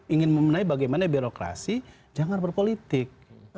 ingin membenahi bagaimana birokrasi jangan berpolitik